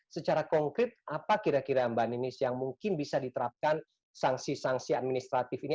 secara konkret apa kira kira mbak ninis yang mungkin bisa diterapkan sanksi sanksi administratif ini